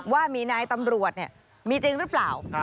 ว่ามีนายตำรวจมีจริงหรือเปล่า